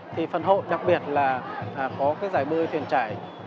thì phần hội đặc biệt là có cái giải bơi thuyền trải